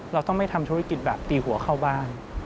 เราต้องไม่ทำธุรกิจแบบตีหัวเข้าบ้าน